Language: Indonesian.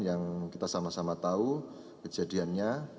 yang kita sama sama tahu kejadiannya